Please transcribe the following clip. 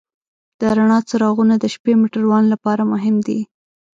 د رڼا څراغونه د شپې موټروان لپاره مهم دي.